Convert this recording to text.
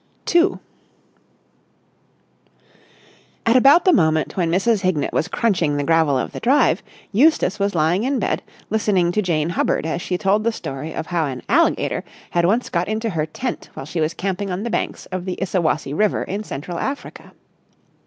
§ 2 At about the moment when Mrs. Hignett was crunching the gravel of the drive, Eustace was lying in bed, listening to Jane Hubbard as she told the story of how an alligator had once got into her tent while she was camping on the banks of the Issawassi River in Central Africa.